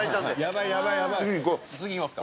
次行きますか。